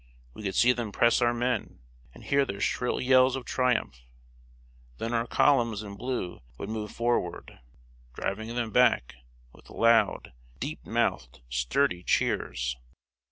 We could see them press our men, and hear their shrill yells of triumph. Then our columns in blue would move forward, driving them back, with loud, deep mouthed, sturdy cheers.